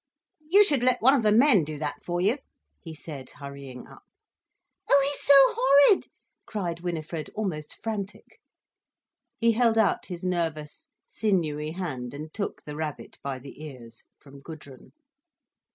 "You should let one of the men do that for you," he said hurrying up. "Oh, he's so horrid!" cried Winifred, almost frantic. He held out his nervous, sinewy hand and took the rabbit by the ears, from Gudrun.